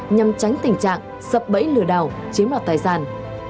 nhằm tránh tình trạng sập bẫy lừa đảo chiếm đoạt tài sản